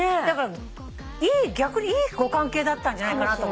だから逆にいいご関係だったんじゃないかな。